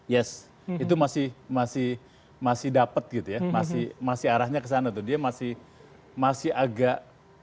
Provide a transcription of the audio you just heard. yes itu masih masih dapat gitu ya masih masih arahnya ke sana tuh dia masih masih agak